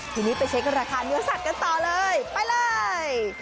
ทีนี้ไปเช็คราคาเนื้อสัตว์กันต่อเลยไปเลย